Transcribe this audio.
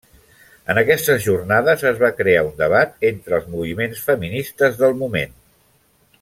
En aquestes jornades es va crear un debat entre els moviments feministes del moment.